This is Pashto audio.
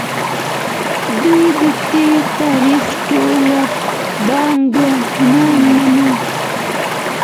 دوی د تېر تاریخ ټوله پانګه نه مني.